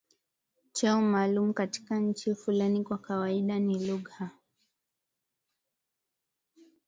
cheo maalumu katika nchi fulani Kwa kawaida ni lugha